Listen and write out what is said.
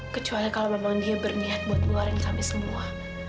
kecuali kalau memang dia berniat buat ngeluarin kami semua